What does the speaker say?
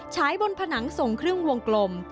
ฉายบนผนังส่งครึ่งวงกลม